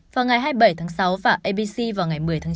vào ngày hai mươi bảy tháng sáu và abc vào ngày một mươi tháng chín